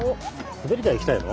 滑り台行きたいの？